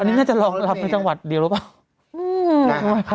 อันนี้น่าจะรองรับในจังหวัดเดียวหรือเปล่า